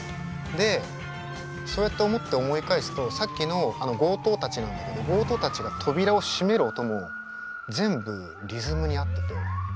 でそうやって思って思い返すとさっきの強盗たちなんだけど強盗たちが扉を閉める音も全部リズムに合ってて。